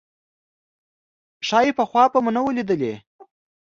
ښايي پخوا به مو نه وه لیدلې.